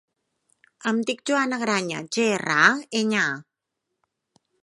Em dic Joana Graña: ge, erra, a, enya, a.